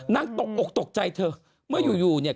นั่งตกตกใจเธอเมื่อยู่เนี่ย